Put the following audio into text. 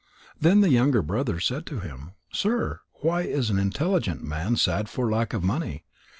Then the younger brothers said to him: "Sir, why is an intelligent man sad for lack of money?